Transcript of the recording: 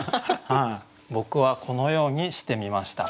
僕はこのようにしてみました。